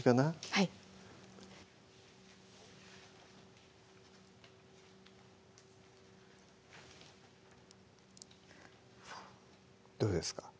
はいどうですか？